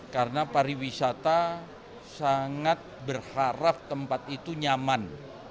karena pariwisata sangat berharap tempat itu nyaman